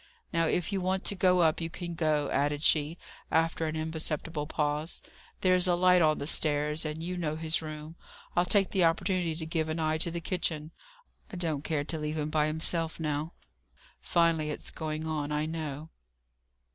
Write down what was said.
Now, if you want to go up, you can go," added she, after an imperceptible pause. "There's a light on the stairs, and you know his room. I'll take the opportunity to give an eye to the kitchen; I don't care to leave him by himself now. Finely it's going on, I know!"